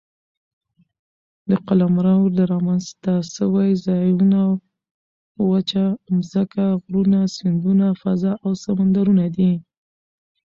د قلمرو رامنځ ته سوي ځایونه وچه مځکه، غرونه، سیندونه، فضاء او سمندرونه دي.